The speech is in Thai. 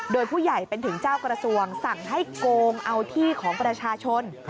โดยผู้ใหญ่เป็นถึงเจ้ากระทรวงสั่งให้โกงเอาที่ของประชาชน